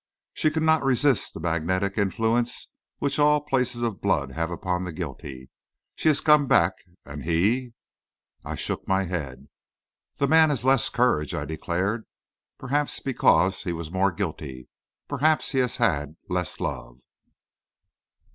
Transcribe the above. She could not resist the magnetic influence which all places of blood have upon the guilty. She has come back! And he?" I shook my head. "The man had less courage," I declared. "Perhaps because he was more guilty; perhaps because he had less love."